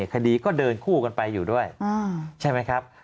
คดีก็เดินคู่กันไปอยู่ด้วยใช่ไหมครับ